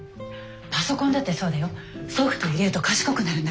パソコンだってそうだよソフトを入れると賢くなるんだから。